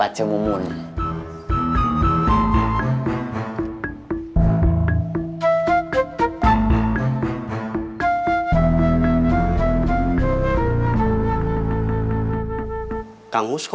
bagus atau enggak